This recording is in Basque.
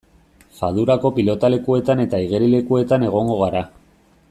Fadurako pilotalekuetan eta igerilekuetan egongo gara.